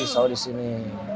nah biasanya kalau misalnya